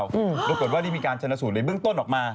ปรากฏว่าได้มีการชนสูตรในเบื้องต้นออกมา